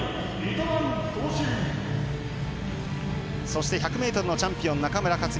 そして１００ｍのチャンピオン中村克。